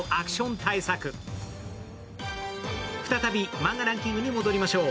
マンガランキングに戻りましょう。